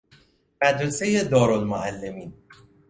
مدرسه دارالمعلمین